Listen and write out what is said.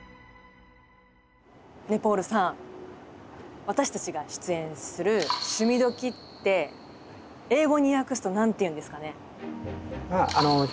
ねぇポールさん私たちが出演する「趣味どきっ！」って英語に訳すと何て言うんですかね？